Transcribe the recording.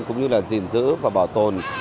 cũng như là gìn giữ và bảo tồn